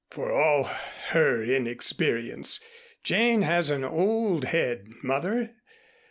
"For all her inexperience, Jane has an old head, Mother.